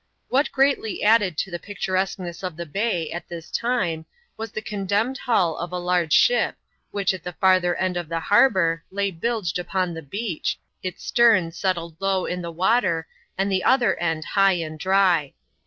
What greatly added to the picturesqueness of the bay at this time, was the condemned hull of a large ship, which at the &rther end of the harbour lay bilged upon the beach, its stem settled low in the water, and the other end high and dry.